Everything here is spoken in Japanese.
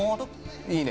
いいね。